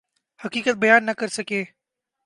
حقیقت بیان نہ کر سکے۔